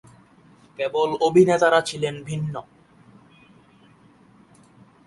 কেবল অভিনেতারা ছিলেন ভিন্ন।